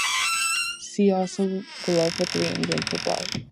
See also below for three England footballers.